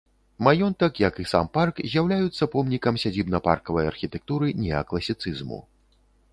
Маёнтак, як і сам парк, з'яўляюцца помнікам сядзібна-паркавай архітэктуры неакласіцызму.